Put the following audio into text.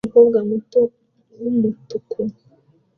Umukobwa muto wumutuku